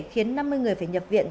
khiến năm mươi người phải nhập viện